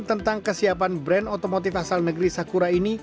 tentang kesiapan brand otomotif asal negeri sakura ini